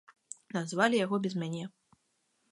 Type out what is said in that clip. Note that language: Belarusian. Назвалі яго без мяне.